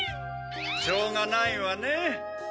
しょうがないわねぇ。